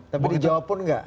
tapi dia jawab pun gak